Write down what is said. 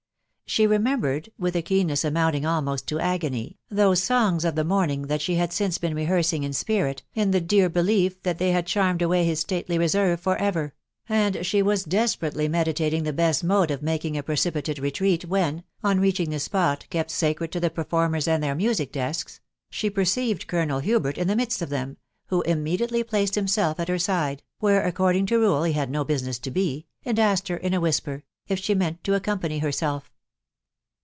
She remembered, with a keenness amounting almost to agony, those songs of the morning that she had since been rehearsing in spirit, in the dear belief that they had charmed away his stately reserve for ever ; and she was des perately meditating the best mode of making a precipitate retreat, when, on reaching the spot kept sacred to the per formers and their music desks, she perceived Colonel Hubert in the midst of them, who immediately placed himself at her side, (where, according to rule, he had no business to he,) and asked her in a whisper, if she meant to accompany herself.